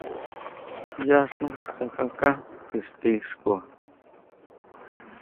Yá xú tsakaká ixti xkua.